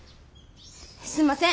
すんません。